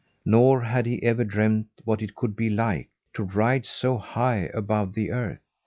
Nor had he ever dreamed what it could be like to ride so high above the earth.